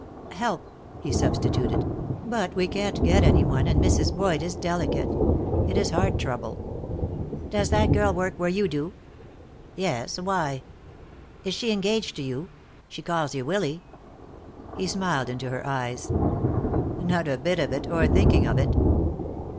" help," he substituted. "But we can't get any one, and Mrs. Boyd is delicate. It is heart trouble." "Does that girl work where you do?" "Yes. Why?" "Is she engaged to you? She calls you Willy." He smiled into her eyes. "Not a bit of it, or thinking of it."